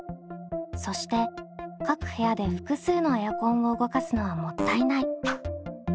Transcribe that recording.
そして各部屋で複数のエアコンを動かすのはもったいない。